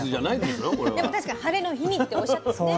でも確かにハレの日にっておっしゃってね。